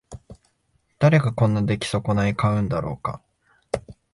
誰がこんな出来損ない買うんだろうか